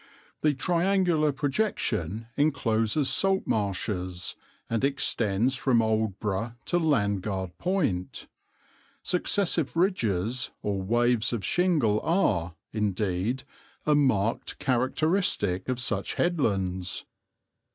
"The triangular projection encloses salt marshes, and extends from Aldeburgh to Landguard Point. Successive ridges or waves of shingle are, indeed, a marked characteristic of such headlands.